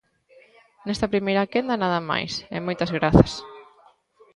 Nesta primeira quenda nada máis, e moitas grazas.